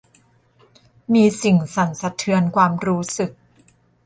มีสิ่งสั่นสะเทือนความรู้สึก